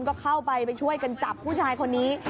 ก็เข้าไปไปช่วยกันจับผู้ชายคนนี้